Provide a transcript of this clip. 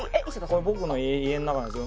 これ僕の家の中なんですよ。